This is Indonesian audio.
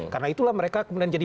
karena itulah mereka kemudian jadi